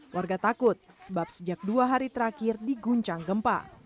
warga takut sebab sejak dua hari terakhir diguncang gempa